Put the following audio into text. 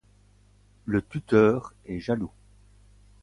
Le tuteur est jaloux.